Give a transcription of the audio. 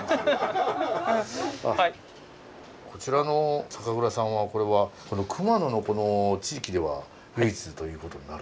こちらの酒蔵さんはこれは熊野のこの地域では唯一ということになるんでしょうか。